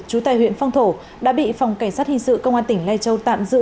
trú tại huyện phong thổ đã bị phòng cảnh sát hình sự công an tỉnh lai châu tạm giữ